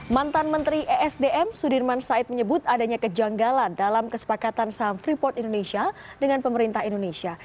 mantan menteri esdm sudirman said menyebut adanya kejanggalan dalam kesepakatan saham freeport indonesia dengan pemerintah indonesia